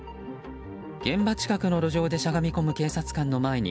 現場近くの路上でしゃがみ込む警察官の前に